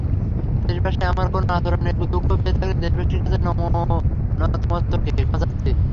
দেশবাসী আমার কোনো আচরণে দুঃখ পেয়ে থাকলে দেশবাসীর কাছে নতমস্তকে ক্ষমা চাচ্ছি।